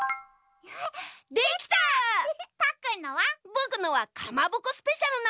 ぼくのはかまぼこスペシャルなのだ。